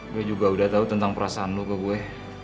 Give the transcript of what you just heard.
gue juga udah tau tentang perasaan lo ke gue